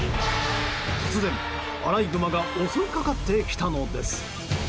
突然、アライグマが襲いかかってきたのです。